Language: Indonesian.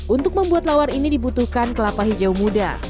untuk membuat lawar ini dibutuhkan kelapa hijau muda